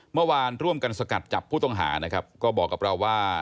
เมื่อวานร่วมกันสกัดจับผู้ต้องหานะครับก็บอกกับเราว่า